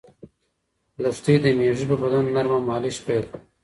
لښتې د مېږې په بدن نرمه مالش پیل کړ.